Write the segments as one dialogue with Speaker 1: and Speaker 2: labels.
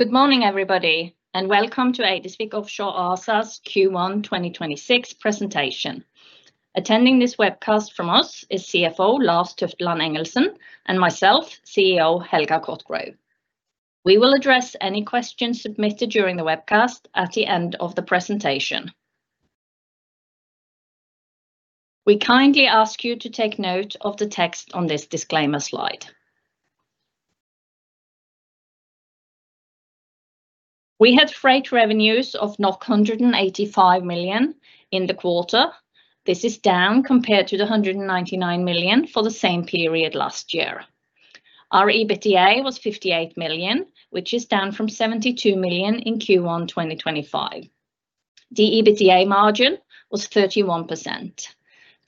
Speaker 1: Good morning, everybody, and welcome to Eidesvik Offshore ASA's Q1 2026 presentation. Attending this webcast from us is CFO Lars Tufteland Engelsen, and myself, CEO Helga Cotgrove. We will address any questions submitted during the webcast at the end of the presentation. We kindly ask you to take note of the text on this disclaimer slide. We had freight revenues of 185 million in the quarter. This is down compared to the 199 million for the same period last year. Our EBITDA was 58 million, which is down from 72 million in Q1 2025. The EBITDA margin was 31%.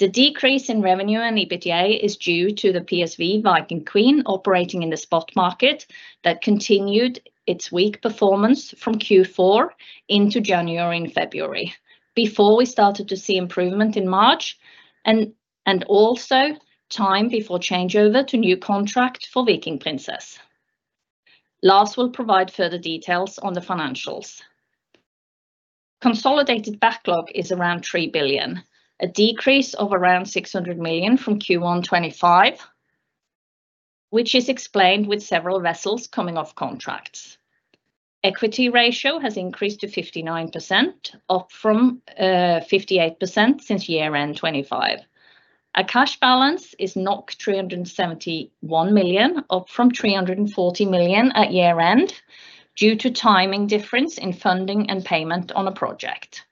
Speaker 1: The decrease in revenue and EBITDA is due to the PSV Viking Queen operating in the spot market that continued its weak performance from Q4 into January and February, before we started to see improvement in March and also time before changeover to new contract for Viking Princess. Lars will provide further details on the financials. Consolidated backlog is around 3 billion, a decrease of around 600 million from Q1 2025, which is explained with several vessels coming off contracts. Equity ratio has increased to 59%, up from 58% since year-end 2025. Our cash balance is 371 million, up from 340 million at year-end, due to timing difference in funding and payment on a project.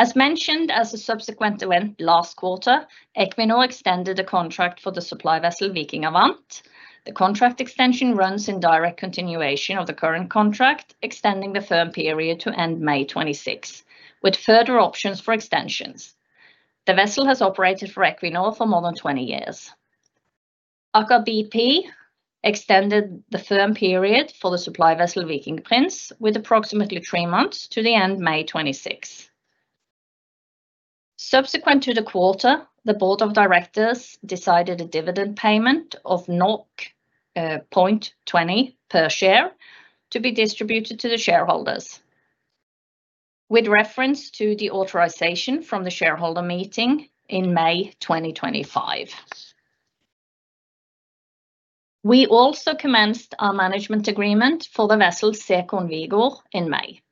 Speaker 1: As mentioned as a subsequent event last quarter, Equinor extended a contract for the supply vessel Viking Avant. The contract extension runs in direct continuation of the current contract, extending the firm period to end May 2026, with further options for extensions. The vessel has operated for Equinor for more than 20 years. Aker BP extended the firm period for the supply vessel Viking Prince with approximately three months to the end May 2026. Subsequent to the quarter, the Board of Directors decided a dividend payment of 0.20 per share to be distributed to the shareholders with reference to the authorization from the shareholder meeting in May 2025. We also commenced our management agreement for the vessel Second Vigo in May.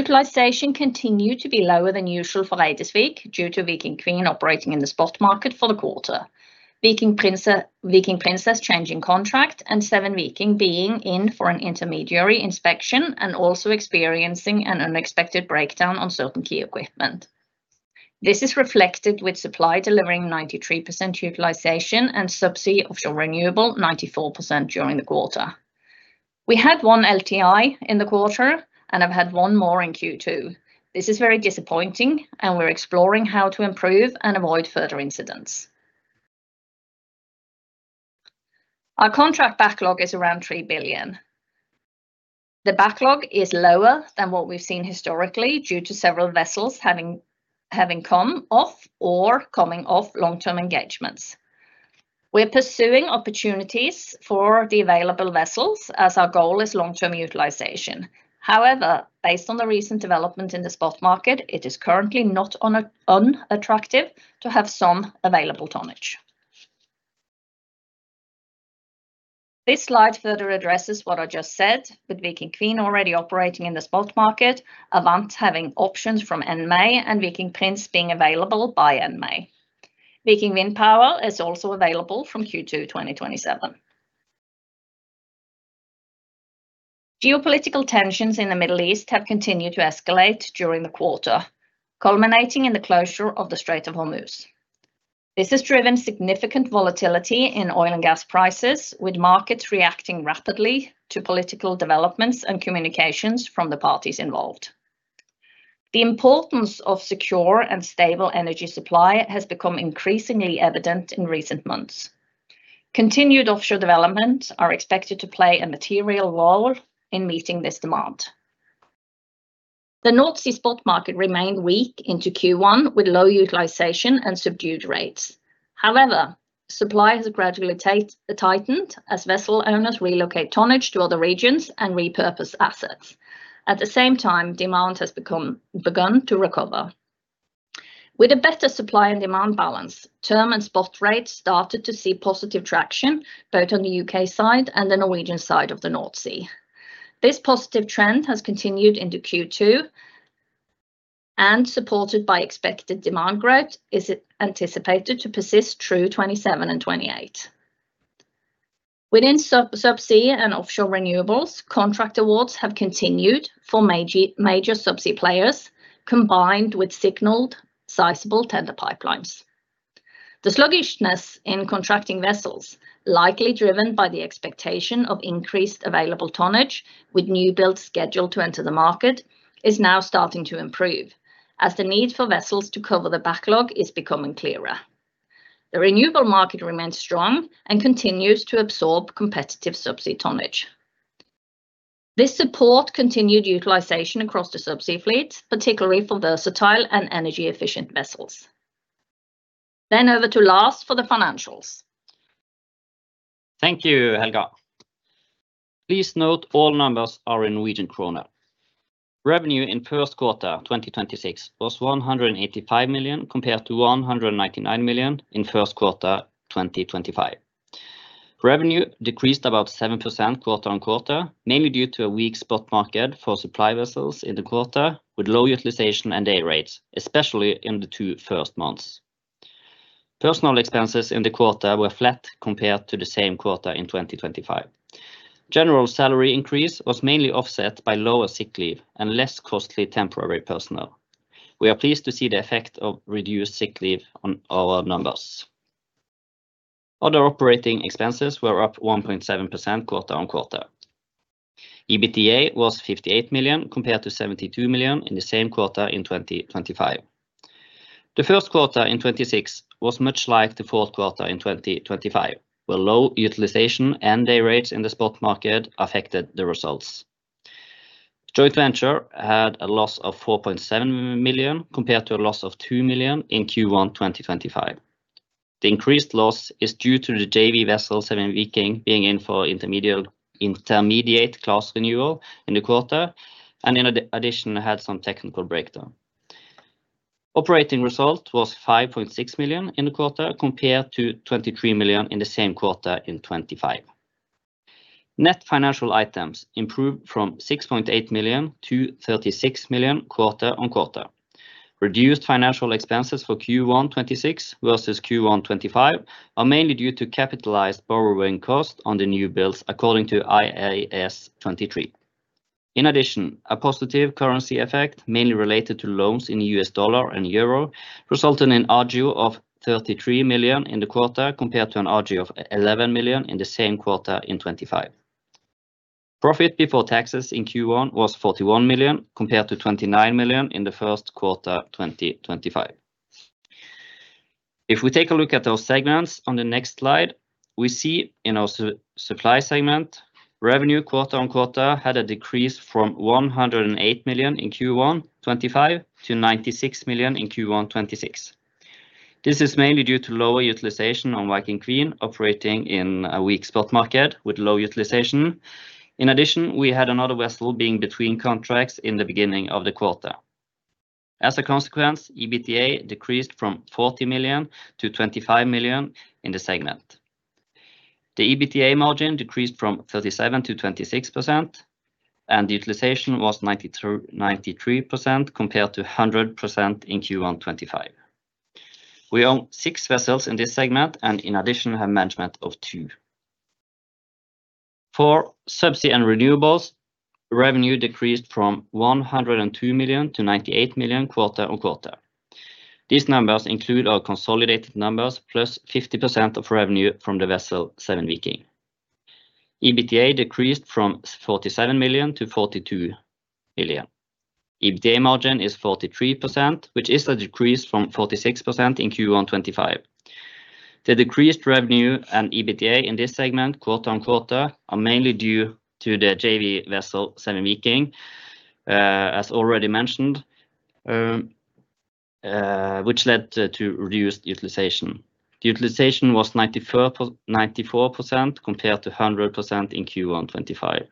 Speaker 1: Utilization continued to be lower than usual for Eidesvik due to Viking Queen operating in the spot market for the quarter. Viking Princess changing contract and Seven Viking being in for an intermediary inspection and also experiencing an unexpected breakdown on certain key equipment. This is reflected with supply delivering 93% utilization and subsea offshore renewable 94% during the quarter. We had one LTI in the quarter, and have had one more in Q2. This is very disappointing. We're exploring how to improve and avoid further incidents. Our contract backlog is around 3 billion. The backlog is lower than what we've seen historically due to several vessels having come off or coming off long-term engagements. We're pursuing opportunities for the available vessels as our goal is long-term utilization. Based on the recent development in the spot market, it is currently not unattractive to have some available tonnage. This slide further addresses what I just said, with Viking Queen already operating in the spot market, Avant having options from end-May, and Viking Prince being available by end-May. Viking Wind Power is also available from Q2 2027. Geopolitical tensions in the Middle East have continued to escalate during the quarter, culminating in the closure of the Strait of Hormuz. This has driven significant volatility in oil and gas prices, with markets reacting rapidly to political developments and communications from the parties involved. The importance of secure and stable energy supply has become increasingly evident in recent months. Continued offshore development are expected to play a material role in meeting this demand. The North Sea spot market remained weak into Q1 with low utilization and subdued rates. However, supply has gradually tightened as vessel owners relocate tonnage to other regions and repurpose assets. At the same time, demand begun to recover. With a better supply and demand balance, term and spot rates started to see positive traction both on the U.K. side and the Norwegian side of the North Sea. This positive trend has continued into Q2 and, supported by expected demand growth, is anticipated to persist through 2027 and 2028. Within subsea and offshore renewables, contract awards have continued for major subsea players, combined with signaled sizable tender pipelines. The sluggishness in contracting vessels, likely driven by the expectation of increased available tonnage with new builds scheduled to enter the market, is now starting to improve as the need for vessels to cover the backlog is becoming clearer. The renewable market remains strong and continues to absorb competitive subsea tonnage. This support continued utilization across the subsea fleet, particularly for versatile and energy efficient vessels. Over to Lars for the financials.
Speaker 2: Thank you, Helga. Please note all numbers are in Norwegian kroner. Revenue in first quarter 2026 was 185 million compared to 199 million in first quarter 2025. Revenue decreased about 7% quarter-on-quarter, mainly due to a weak spot market for supply vessels in the quarter with low utilization and day rates, especially in the two first months. Personnel expenses in the quarter were flat compared to the same quarter in 2025. General salary increase was mainly offset by lower sick leave and less costly temporary personnel. We are pleased to see the effect of reduced sick leave on our numbers. Other operating expenses were up 1.7% quarter-on-quarter. EBITDA was 58 million compared to 72 million in the same quarter in 2025. The first quarter in 2026 was much like the fourth quarter in 2025, where low utilization and day rates in the spot market affected the results. Joint venture had a loss of 4.7 million compared to a loss of 2 million in Q1 2025. The increased loss is due to the JV vessel Seven Viking being in for intermediate class renewal in the quarter and in addition had some technical breakdown. Operating result was 5.6 million in the quarter compared to 23 million in the same quarter in 2025. Net financial items improved from 6.8 million to 36 million quarter-on-quarter. Reduced financial expenses for Q1 2026 versus Q1 2025 are mainly due to capitalized borrowing costs on the new builds according to IAS 23. A positive currency effect mainly related to loans in US dollar and euro resulted in RGU of 33 million in the quarter compared to an RGU of 11 million in the same quarter in 2025. Profit before taxes in Q1 was 41 million compared to 29 million in the first quarter 2025. If we take a look at those segments on the next slide, we see in our supply segment, revenue quarter-on-quarter had a decrease from 108 million in Q1 2025 to 96 million in Q1 2026. This is mainly due to lower utilization on Viking Queen operating in a weak spot market with low utilization. We had another vessel being between contracts in the beginning of the quarter. As a consequence EBITDA decreased from 40 million to 25 million in the segment. The EBITDA margin decreased from 37% to 26%. The utilization was 93% compared to 100% in Q1 2025. We own six vessels in this segment and in addition have management of two. For Subsea and Renewables, revenue decreased from 102 million to 98 million quarter-on-quarter. These numbers include our consolidated numbers plus 50% of revenue from the vessel Seven Viking. EBITDA decreased from 47 million to 42 million. EBITDA margin is 43%, which is a decrease from 46% in Q1 2025. The decreased revenue and EBITDA in this segment quarter-on-quarter are mainly due to the JV vessel Seven Viking, as already mentioned, which led to reduced utilization. The utilization was 94% compared to 100% in Q1 2025.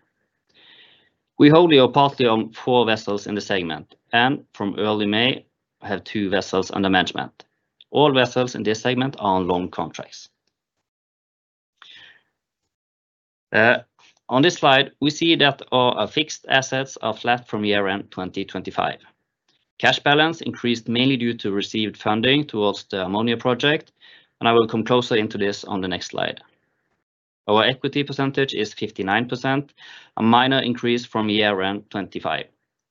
Speaker 2: We wholly or partly own four vessels in the segment and from early May have two vessels under management. All vessels in this segment are on long contracts. On this slide, we see that our fixed assets are flat from year-end 2025. Cash balance increased mainly due to received funding towards the ammonia Project, and I will come closer into this on the next slide. Our equity percentage is 59%, a minor increase from year-end 2025.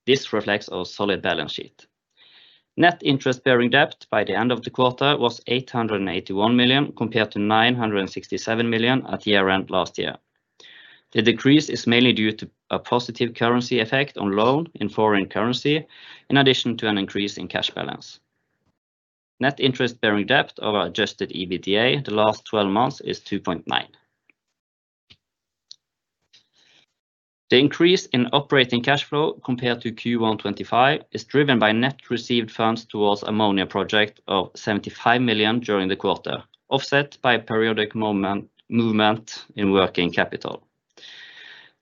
Speaker 2: This reflects our solid balance sheet. Net interest-bearing debt by the end of the quarter was 881 million compared to 967 million at year-end last year. The decrease is mainly due to a positive currency effect on loan in foreign currency, in addition to an increase in cash balance. Net interest-bearing debt-over-adjusted EBITDA the last 12 months is 2.9%. The increase in operating cash flow compared to Q1 2025 is driven by net received funds towards ammonia project of 75 million during the quarter, offset by periodic movement in working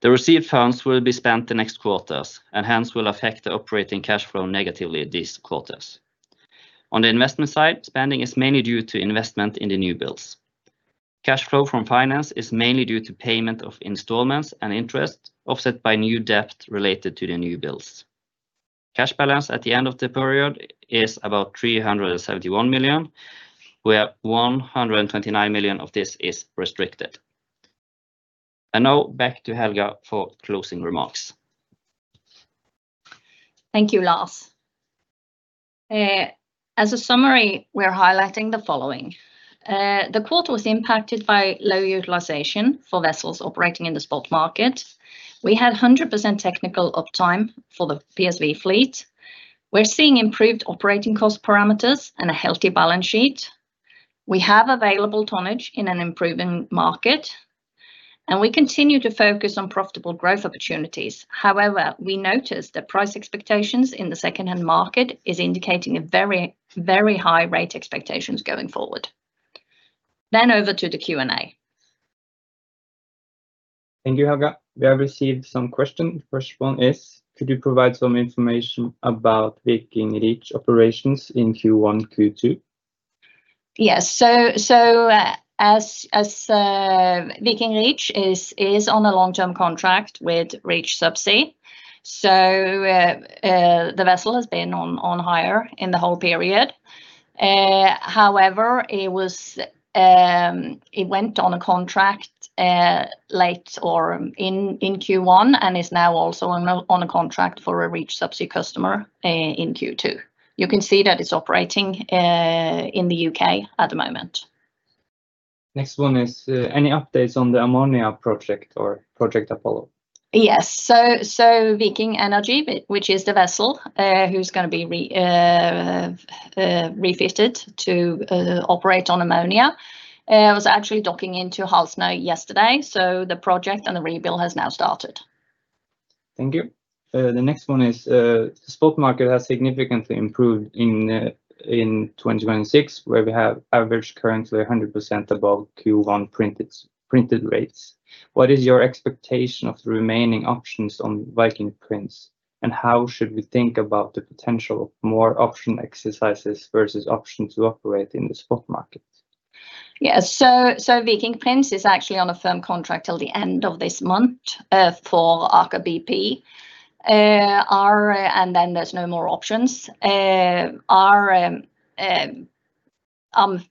Speaker 2: capital. The received funds will be spent the next quarters and hence will affect the operating cash flow negatively these quarters. On the investment side, spending is mainly due to investment in the new builds. Cash flow from finance is mainly due to payment of installments and interest offset by new debt related to the new builds. Cash balance at the end of the period is about 371 million, where 129 million of this is restricted. Now back to Helga for closing remarks.
Speaker 1: Thank you, Lars. As a summary, we are highlighting the following. The quarter was impacted by low utilization for vessels operating in the spot market. We had 100% technical uptime for the PSV fleet. We're seeing improved operating cost parameters and a healthy balance sheet. We have available tonnage in an improving market, and we continue to focus on profitable growth opportunities. However, we noticed that price expectations in the second-hand market is indicating a very, very high rate expectations going forward. Over to the Q&A.
Speaker 3: Thank you, Helga. We have received some question. First one is, could you provide some information about Viking Reach operations in Q1, Q2?
Speaker 1: Yes. Viking Reach is on a long-term contract with Reach Subsea. The vessel has been on hire in the whole period. However, it went on a contract late or in Q1 and is now also on a contract for a Reach Subsea customer in Q2. You can see that it's operating in the U.K. at the moment.
Speaker 3: Next one is, any updates on the ammonia project or Project Apollo?
Speaker 1: Yes. Viking Energy, which is the vessel, who's gonna be refitted to operate on ammonia, was actually docking into Halsnøy yesterday, so the project and the rebuild has now started.
Speaker 3: Thank you. The next one is, spot market has significantly improved in 2026 where we have averaged currently 100% above Q1 printed rates. What is your expectation of the remaining options on Viking Prince, and how should we think about the potential of more option exercises versus options to operate in the spot market?
Speaker 1: Viking Prince is actually on a firm contract till the end of this month for Aker BP. There's no more options.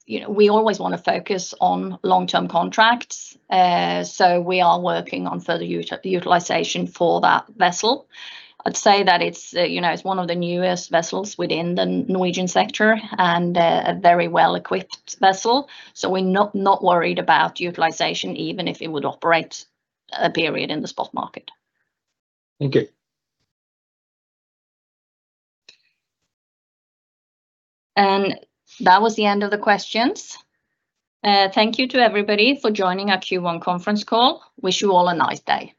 Speaker 1: You know, we always wanna focus on long-term contracts, we are working on further utilization for that vessel. I'd say that it's, you know, it's one of the newest vessels within the Norwegian sector and a very well-equipped vessel. We're not worried about utilization even if it would operate a period in the spot market.
Speaker 3: Thank you.
Speaker 1: That was the end of the questions. Thank you to everybody for joining our Q1 conference call. Wish you all a nice day.